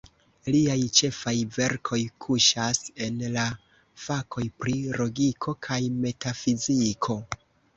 Liaj ĉefaj verkoj kuŝas en la fakoj pri logiko kaj metafiziko.